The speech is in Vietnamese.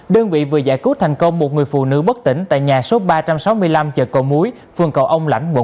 đơn vị vừa giải cứu thành công một người phụ nữ bất tỉnh tại nhà số ba trăm sáu mươi năm chợ cầu muối phường cầu ông lãnh quận